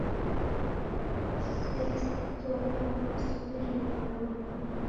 Kusesow'e isuw'irio ngolonyi.